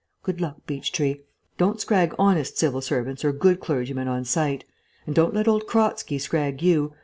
Good luck, Beechtree. Don't scrag honest civil servants or good clergymen on sight. And don't let old Kratzky scrag you.